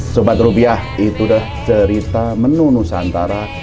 sobat rupiah itu cerita menu nusantara